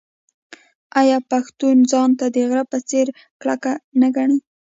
آیا پښتون ځان د غره په څیر کلک نه ګڼي؟